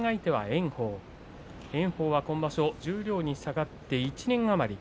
炎鵬は今場所、十両に下がって１年余り。